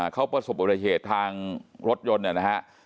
เขาประสบอุบัติเหตุทางรถยนต์เนี่ยนะฮะ